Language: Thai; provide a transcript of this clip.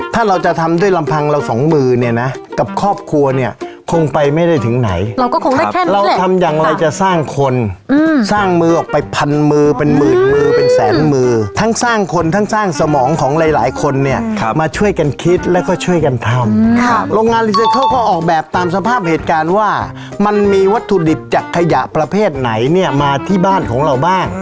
ถ้าคุณผู้ชมนะคะอยากจะไปตามหาพี่กิ่งเขา